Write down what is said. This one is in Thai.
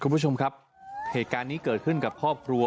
คุณผู้ชมครับเหตุการณ์นี้เกิดขึ้นกับครอบครัว